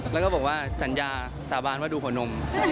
แล้วก็บอกว่าสัญญาสาบานว่าดูหัวนม